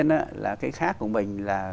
tuy nhiên là cái khác của mình là